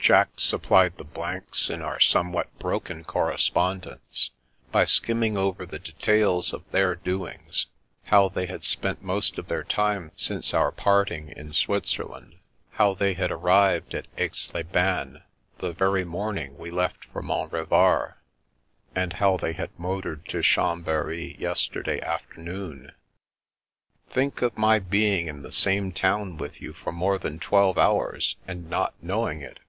Jack supplied the blanks in our somewhat broken correspondence, by skimming over the details of their doings; how they had spent most of their time since our parting in Switzerland; how they had arrived at Aix les Bains the very morning we left for Mont Revard; and how they had motored to Cbambery yesterday afternoon. " Think of my being in the same town with you The Strange Mushroom 329 for more than twelve hours, and not knowing it